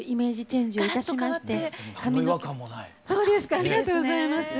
ありがとうございます。